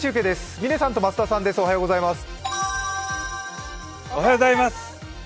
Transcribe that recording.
嶺さん、増田さんです、おはようございます。